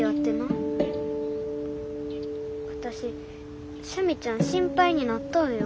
私スミちゃん心配になったんや。